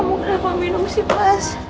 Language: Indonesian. kamu kenapa minum sih mas